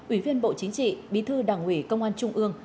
ủy viên bộ chính trị bí thư đảng ủy công an trung ương